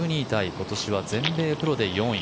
今年は全米プロで４位。